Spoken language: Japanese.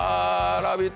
「ラヴィット！」